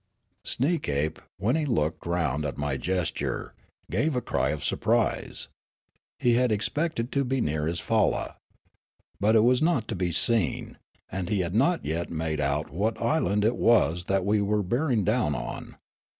Sneekape, when he looked round at my gesture, gave a cr}^ of surprise. He had expected to be near his falla. But it was not to be seen ; and he had not yet made out what island it was that we were bearing down on.